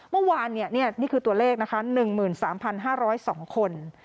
เมื่อวานนี้นี่คือตัวเลขนะคะ๑๓๕๐๒คน